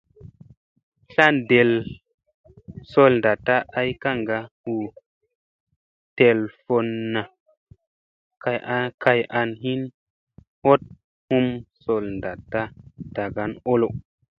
Tlan ɗel sool naɗta ay kaŋga hu telfunna kay an hin hoɗ hum sool naɗta ɗagan olo.